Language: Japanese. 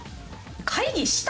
会議した？